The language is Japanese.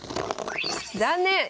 残念！